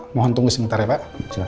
mohon tunggu sebentar ya pak